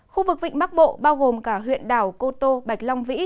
khu vực vịnh bắc bộ bao gồm cả huyện đảo cô tô bạch long vĩ